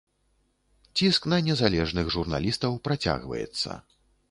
Ціск на незалежных журналістаў працягваецца.